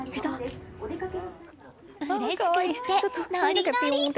うれしくってノリノリ！